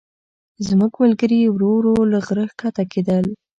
زموږ ملګري ورو ورو له غره ښکته کېدل.